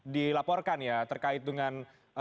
dilaporkan ya terkait dengan